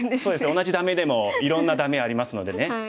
同じ「ダメ」でもいろんな「ダメ」ありますのでね。